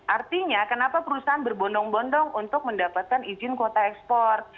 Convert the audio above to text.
artinya kenapa perusahaan berbondong bondong untuk mendapatkan izin kuota ekspor